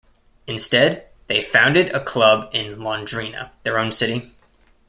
Instead, they founded a club in Londrina, their own city.